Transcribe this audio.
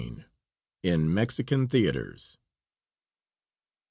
IN MEXICAN THEATERS.